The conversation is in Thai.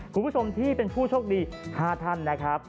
คุณผู้ชมที่เป็นผู้โชคดี๕ท่านนะครับ